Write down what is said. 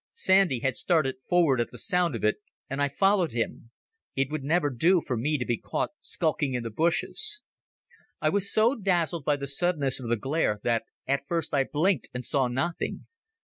Sandy had started forward at the sound of it, and I followed him. It would never do for me to be caught skulking in the bushes. I was so dazzled by the suddenness of the glare that at first I blinked and saw nothing.